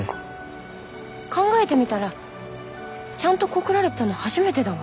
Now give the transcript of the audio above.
考えてみたらちゃんと告られたの初めてだわ。